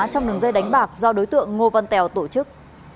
trong đường dây đánh bạc do đối tượng ngô văn tèo tổ chức